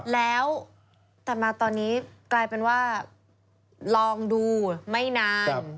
แล้วแต่มาตอนนี้กลายเป็นว่าลองดูไม่นาน